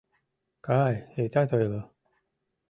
Кай, итат ойло!